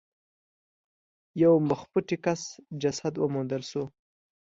یو مخ پټي کس جسد وموندل شو.